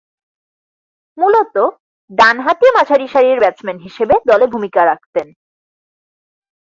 মূলতঃ ডানহাতি মাঝারিসারির ব্যাটসম্যান হিসেবে দলে ভূমিকা রাখতেন।